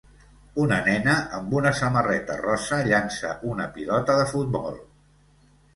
Una nena amb una samarreta rosa llança una pilota de futbol.